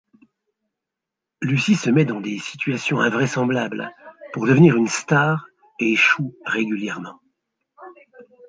Lucy se met dans des situations invraisemblables pour devenir une star et échoue régulièrement.